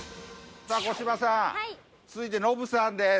さあ小芝さん続いてノブさんです。